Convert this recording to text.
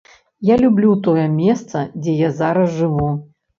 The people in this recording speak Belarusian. Я люблю тое месца, дзе я зараз жыву.